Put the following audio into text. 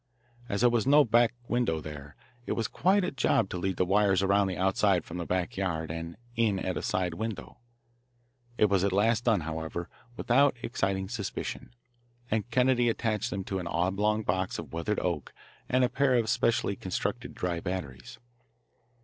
As there was no back window there, it was quite a job to lead the wires around the outside from the back yard and in at a side window. It was at last done, however, without exciting suspicion, and Kennedy attached them to an oblong box of weathered oak and a pair of specially constructed dry batteries.